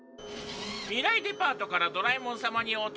未来デパートからドラえもん様にお届け物です。